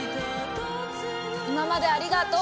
今までありがとう！